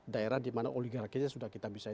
daerah di mana oligarkinya sudah kita bisa